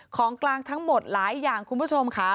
ของกลางทั้งหมดหลายอย่างคุณผู้ชมค่ะ